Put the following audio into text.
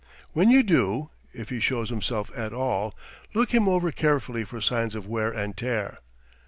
"When you do if he shows himself at all look him over carefully for signs of wear and tear."